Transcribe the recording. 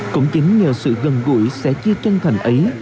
cũng chính nhờ sự gần gũi sẻ chia chân thành ấy